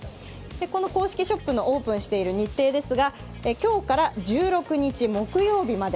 この公式ショップのオープンしている日程ですが今日から１６日木曜日まで。